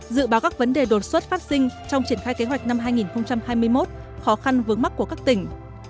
dự báo các vấn đề đột xuất phát sinh trong triển khai kế hoạch năm hai nghìn hai mươi một khó khăn vướng mắt của các tỉnh